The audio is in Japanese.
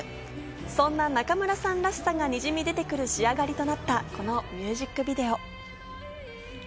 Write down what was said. そんな中村さんらしさがにじみ出てくる仕上がりとなったこのミュージックビデオ。